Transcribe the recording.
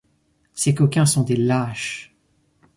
Ces coquins sont des lâches.